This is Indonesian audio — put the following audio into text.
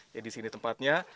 jadi disini tempatnya